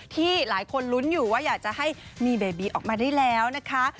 ที่หลายคนลุ้นอยู่ว่าอยากจะให้มีเบบีออกมาได้แล้วนะคะ